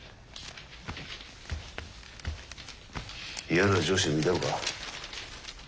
嫌な上司でもいたのか？